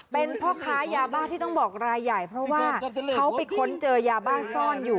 เป็นพ่อค้ายาบ้าที่ต้องบอกรายใหญ่เพราะว่าเขาไปค้นเจอยาบ้าซ่อนอยู่